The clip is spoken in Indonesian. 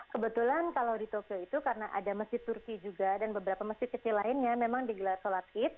kebetulan kalau di tokyo itu karena ada masjid turki juga dan beberapa masjid kecil lainnya memang digelar sholat id